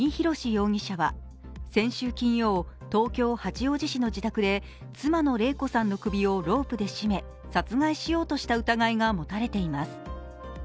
容疑者は先週金曜、東京・八王子市の自宅で妻の礼子さんの首をロープで絞め殺害しようとした疑いが持たれています。